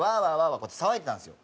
こうやって騒いでたんですよ。